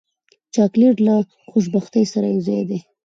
چاکلېټ له خوشبختۍ سره یوځای دی.